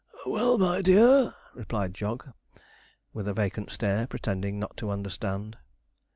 'Well, my dear,' replied Jog, with a vacant stare, pretending not to understand.